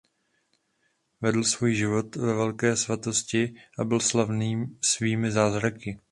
Vedl svůj život ve velké svatosti a byl slavný svými zázraky.